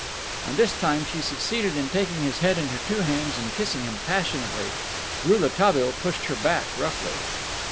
And this time she succeeded in taking his head in her two hands and kissing him passionately. Rouletabille pushed her back roughly.